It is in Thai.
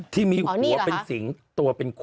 ที่มีหัวเป็นสิงตัวเป็นคู่